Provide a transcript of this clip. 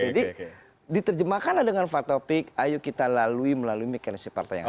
jadi diterjemahkanlah dengan fatopik ayo kita melalui mekanis partai yang ada